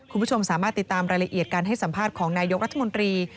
คุณผู้ชมสามารถติดตามรายละเอียดการให้สัมภาษณ์ของนายกรัฐมนตรี